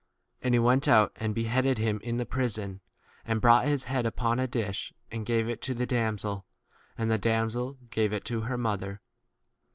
And he went out and beheaded him in the 28 prison, and brought his head upon a dish, and gave it to the damsel, and the damsel gave it to her 29 mother.